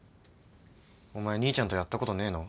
お前兄ちゃんとやったことねえの？